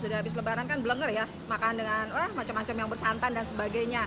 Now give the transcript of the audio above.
sudah habis lebaran kan blenger ya makan dengan macam macam yang bersantan dan sebagainya